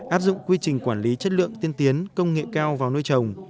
áp dụng quy trình quản lý chất lượng tiên tiến công nghệ cao vào nuôi trồng